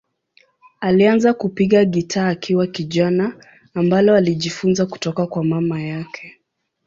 Alianza kupiga gitaa akiwa kijana, ambalo alijifunza kutoka kwa mama yake.